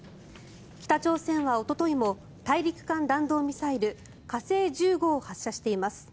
北朝鮮はおとといも大陸間弾道ミサイル、火星１５を発射しています。